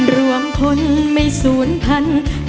รวมคนไม่ศูนย์พันธุ์